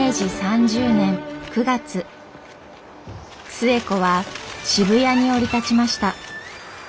寿恵子は渋谷に降り立ちました。